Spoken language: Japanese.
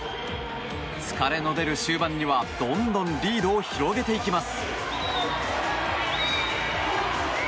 疲れの出る終盤には、どんどんリードを広げていきます。